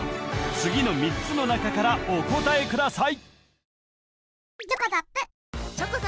次の３つの中からお答えください